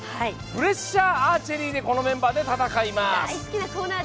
プレッシャーアーチェリーでこのメンバーで戦います。